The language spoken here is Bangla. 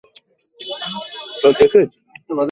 কাজ হচ্ছে না।